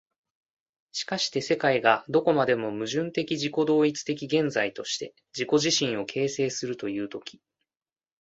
しかして世界がどこまでも矛盾的自己同一的現在として自己自身を形成するという時、